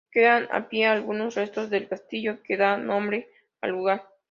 Quedan en pie algunos restos del castillo que da nombre al lugar.